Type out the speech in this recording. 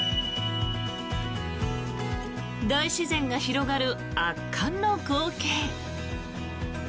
大自然が広がる圧巻の光景。